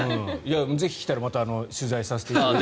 ぜひ来たらまた取材させていただいて。